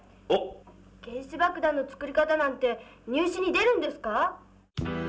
原子爆弾の作り方なんて入試に出るんですか？